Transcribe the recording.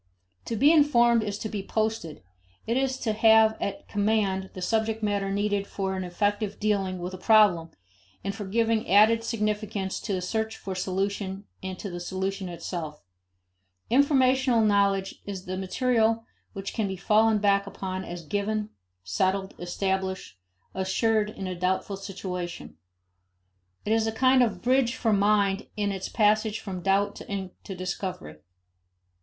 To be informed is to be posted; it is to have at command the subject matter needed for an effective dealing with a problem, and for giving added significance to the search for solution and to the solution itself. Informational knowledge is the material which can be fallen back upon as given, settled, established, assured in a doubtful situation. It is a kind of bridge for mind in its passage from doubt to discovery.